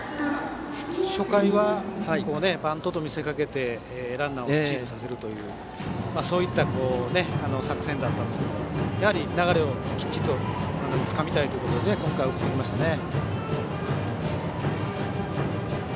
初回はバントと見せかけてランナーをスチールさせるというそういった作戦だったんですけどやはり流れをきっちりつかみたいということで今回、送ってきましたね。